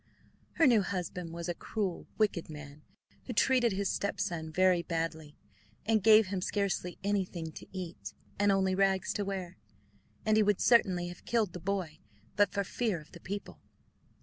Her new husband was a cruel, wicked man, who treated his stepson very badly, and gave him scarcely anything to eat, and only rags to wear; and he would certainly have killed the boy but for fear of the people.